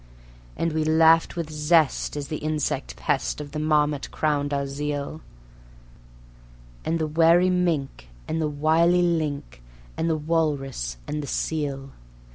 And we laughed with zest as the insect pest of the marmot crowned our zeal, And the wary mink and the wily "link", and the walrus and the seal.